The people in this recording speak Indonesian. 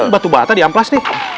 batu bata di amplas nih